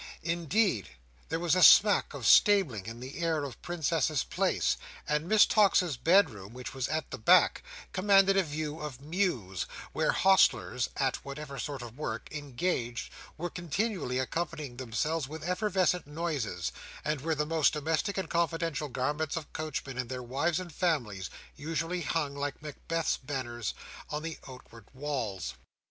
Indeed, there was a smack of stabling in the air of Princess's Place; and Miss Tox's bedroom (which was at the back) commanded a vista of Mews, where hostlers, at whatever sort of work engaged, were continually accompanying themselves with effervescent noises; and where the most domestic and confidential garments of coachmen and their wives and families, usually hung, like Macbeth's banners, on the outward walls.